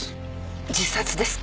自殺ですか？